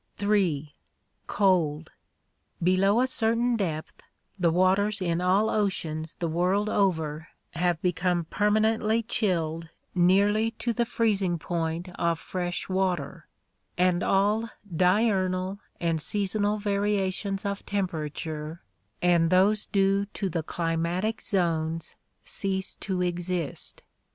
(3) Cold. Below a certain depth, the waters in all oceans the world over have become permanently chilled nearly to the freezing 74 ORGANIC EVOLUTION point of fresh water, and all diurnal and seasonal variations of temperature and those due to the climatic zones cease to exist.